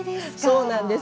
そうなんです。